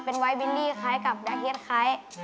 เป็นไวท์บิลลี่คล้ายกับแบลกเฮียดคล้าย